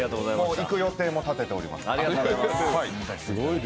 行く予定も立てております。